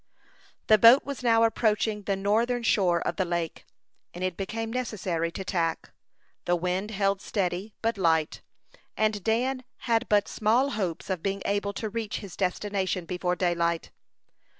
The boat was now approaching the northern shore of the lake, and it became necessary to tack. The wind held steady, but light; and Dan had but small hopes of being able to reach his destination before daylight.